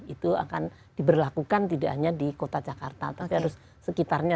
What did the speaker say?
itu akan diberlakukan tidak hanya di kota jakarta tapi harus sekitarnya